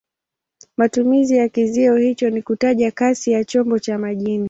Matumizi ya kizio hicho ni kutaja kasi ya chombo cha majini.